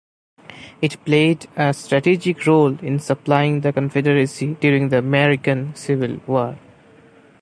It played a strategic role in supplying the Confederacy during the American Civil War.